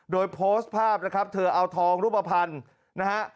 โดยโพสต์ภาพนะครับเธอเอาทองรูปภัณฑ์นะฮะ